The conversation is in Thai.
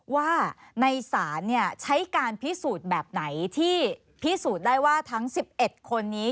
ว่าในศาลใช้การพิสูจน์แบบไหนที่พิสูจน์ได้ว่าทั้ง๑๑คนนี้